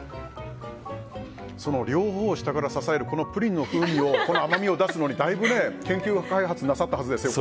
両方を下から支えるプリンの風味の甘みを出すのにだいぶ研究開発をなさったはずですよ。